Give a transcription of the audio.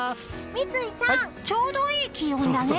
三井さん、ちょうどいい気温だね。